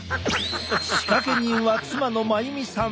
仕掛け人は妻の真由美さん。